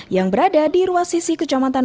yang berada di ruas sisi kecamatan